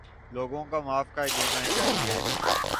لوگوں کو معاف کر دینا چاہیے